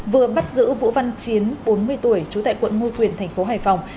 vừa bắt giữ vũ văn chiến bốn mươi tuổi chú tại quận ngu quyền tp hải phòng